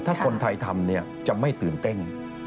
ถ้าคนไทยทำเนี่ยจะไม่ตื่นเต้น